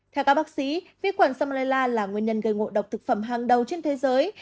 theo các bác sĩ vi khuẩn salmella là nguyên nhân gây ngộ độc thực phẩm hàng đầu trên thế giới